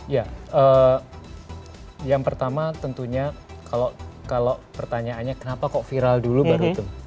ya yang pertama tentunya kalau pertanyaannya kenapa kok viral dulu baru itu